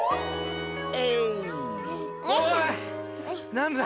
なんだ。